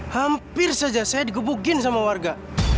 hampir saja saya digebukin sama warga